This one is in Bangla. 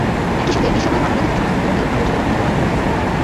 একই সঙ্গে বিশ্বময় মানবাধিকার সংস্থাগুলোকে আরও জোরালো ভূমিকা পালন করতে হবে।